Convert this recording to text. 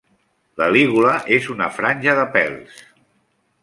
La lígula és una franja de pèls.